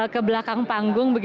ke belakang panggung